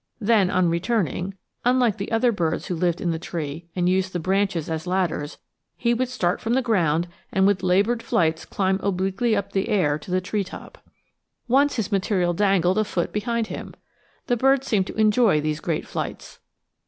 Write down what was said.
Then, on returning, unlike the other birds who lived in the tree and used the branches as ladders, he would start from the ground and with labored flights climb obliquely up the air to the treetop. Once his material dangled a foot behind him. The birds seemed to enjoy these great flights.